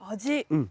うん。